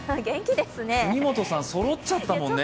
國本さん、そろっちゃったもんね